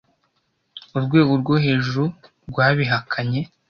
urwego rwo hejuru rwabihakanye.